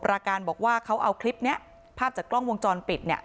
ราการบอกว่าเขาเอาคลิปเนี้ยภาพจากกล้องวงจรปิดเนี่ย